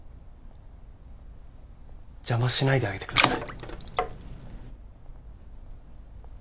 邪魔しないであげてください。